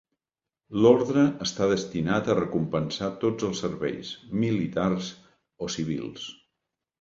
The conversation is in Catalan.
L'orde està destinat a recompensar tots els serveis, militars o civils.